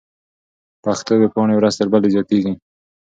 پښتو ويبپاڼې ورځ تر بلې زياتېږي.